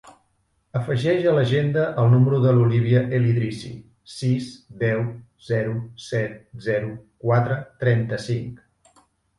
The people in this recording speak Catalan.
Afegeix a l'agenda el número de l'Olívia El Idrissi: sis, deu, zero, set, zero, quatre, trenta-cinc.